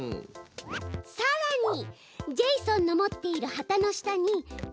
さらにジェイソンのもっている旗の下に命令をつけて。